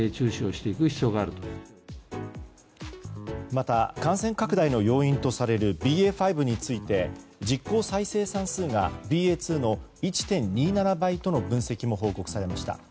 また、感染拡大の要因とされるＢＡ．５について実効再生産数がＢＡ．２の１．２７倍との分析も報告されました。